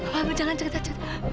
pak jangan cerita cerita